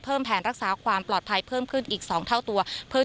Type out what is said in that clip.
แผนรักษาความปลอดภัยเพิ่มขึ้นอีก๒เท่าตัวเพื่อ